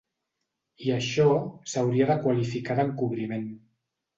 I això s’hauria de qualificar d’encobriment.